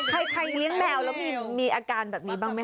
ใครเลี้ยงแมวแล้วมีอาการแบบนี้บ้างไหม